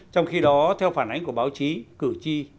trong khi đó theo phản ánh của báo chí cử tri